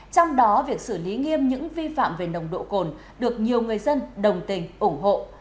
trong đó việc xử lý nghiêm những vi phạm về nồng độ cồn được nhiều người dân đồng tình ủng hộ